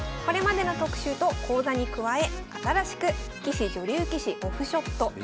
これまでの特集と講座に加え新しく棋士・女流棋士「オフショット」。